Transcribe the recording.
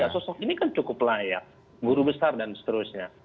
sosok ini kan cukup layak guru besar dan seterusnya